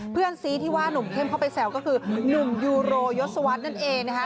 เพื่อนซีที่ว่านุ่มเข้มเข้าไปแซวก็คือหนุ่มยูโรยศวรรษนั่นเองนะคะ